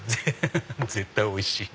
絶対おいしい！